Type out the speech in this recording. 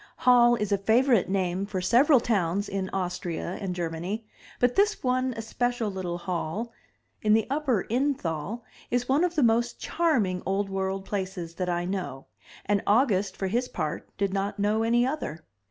Hall is a favorite name for several towns in Austria and Germany; but this one especial little Hall, in the Upper Innthal, is one of the most charming Old World places that I know, and August for his part did not know any other.